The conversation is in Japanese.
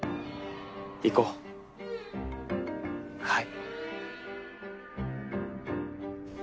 はい。